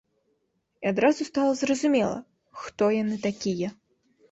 І адразу стала зразумела, хто яны такія.